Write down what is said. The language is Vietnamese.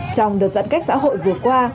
trong đợt giận cách xã hội vừa qua